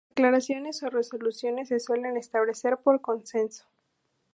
Las declaraciones o resoluciones se suelen establecer por consenso.